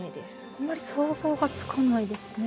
あんまり想像がつかないですね。